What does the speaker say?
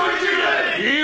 いいよ！